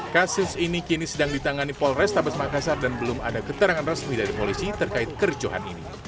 kasus ini kini sedang ditangani polrestabes makassar dan belum ada keterangan resmi dari polisi terkait kericuhan ini